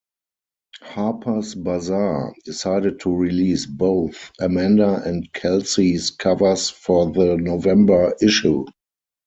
"Harper's Bazaar" decided to release both Amanda and Kelsey's covers for the November issue.